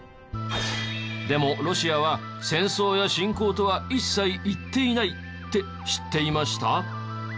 でもロシアは戦争や侵攻とは一切言っていないって知っていました？